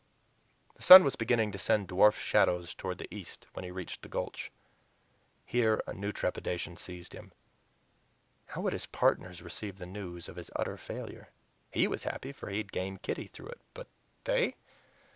The sun was beginning to send dwarf shadows toward the east when he reached the Gulch. Here a new trepidation seized him. How would his partners receive the news of his utter failure? HE was happy, for he had gained Kitty through it. But they?